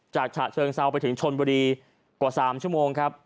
ฉะเชิงเซาไปถึงชนบุรีกว่า๓ชั่วโมงครับ